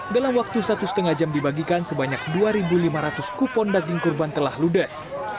dalam waktu satu lima jam dibagikan sebanyak dua lima ratus kupon daging kurban telah ludes